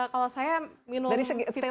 kalau saya minum vitamin